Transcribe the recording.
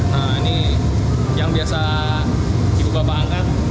nah ini yang biasa ibu bapak angkat